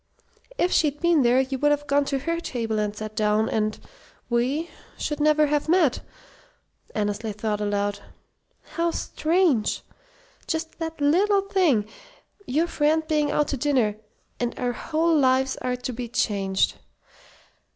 "If she'd been there, you would have gone to her table and sat down, and we should never have met!" Annesley thought aloud. "How strange! Just that little thing your friend being out to dinner and our whole lives are to be changed.